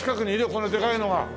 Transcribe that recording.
こんなでかいのが。